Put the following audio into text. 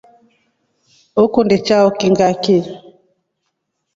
Ukundi chao kii ngachi.